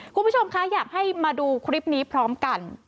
คุณผู้ชมคะอยากให้มาดูคลิปนี้พร้อมกัน